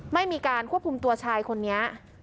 ไม่มีการควบคุมตัวชายคนนี้